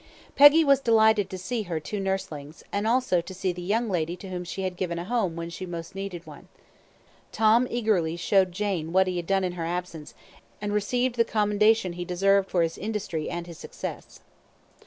Peggy was delighted to see her two nurslings, and also to see the young lady to whom she had given a home when she most needed one. Tom eagerly showed Jane what he had done in her absence, and received the commendation he deserved for his industry and his success.